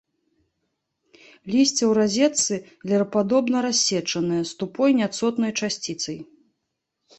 Лісце ў разетцы, лірападобна-рассечанае, з тупой няцотнай часціцай.